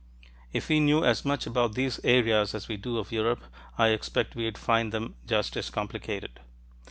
If we knew as much about these areas as we do of Europe, I expect we'd find them just as complicated.